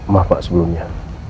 maaf pak sebelumnya